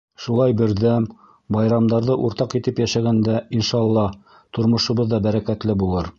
Шулай берҙәм, байрамдарҙы уртаҡ итеп йәшәгәндә, иншаллаһ, тормошобоҙ ҙа бәрәкәтле булыр.